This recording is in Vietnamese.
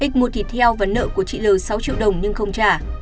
x mua thịt heo và nợ của chị l sáu triệu đồng nhưng không trả